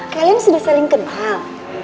kalian sudah saling kenal